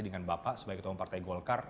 dengan bapak sebagai ketua umum partai golkar